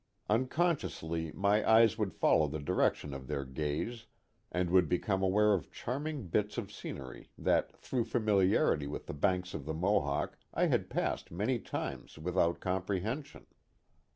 Unconsciously my eyes would follow the direction of their gaze, and would become aware of charming bits of scenery that through familiarity with the banks of the Mohawk I had passed many times without comprehension.